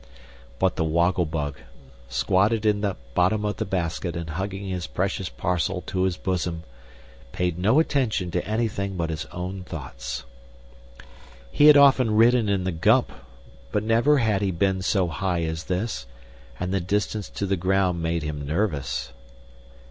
But the Woggle Bug, squatted in the bottom of the basket and hugging his precious parcel to his bosom, paid no attention to anything but his own thoughts. He had often ridden in the Gump; but never had he been so high as this, and the distance to the ground made him nervous.